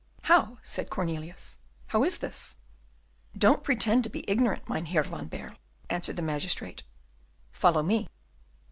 "How," said Cornelius, "how is this?" "Don't pretend to be ignorant, Mynheer van Baerle," answered the magistrate. "Follow me."